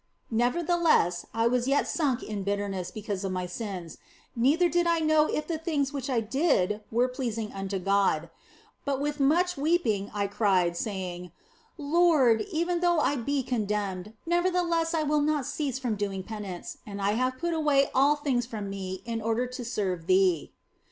Nevertheless I was yet sunk in bitterness because of my sins, neither did I know if the things which I did were pleasing unto God ; but with much weeping I cried, saying :" Lord, even though I be condemned, nevertheless will I not cease from doing penance, and I have put away all things from me in order to serve Thee."